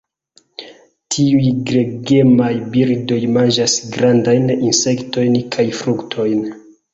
Tiuj gregemaj birdoj manĝas grandajn insektojn kaj fruktojn.